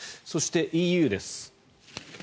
そして、ＥＵです。